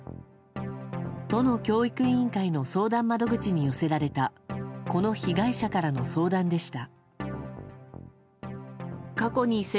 都の教育委員会の相談窓口に寄せられたこの被害者からの相談でした。